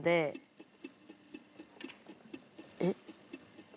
えっ。